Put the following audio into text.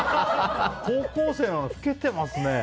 高校生なのに老けてますね。